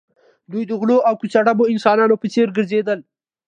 دوی د غلو او کوڅه ډبو انسانانو په څېر ګرځېدل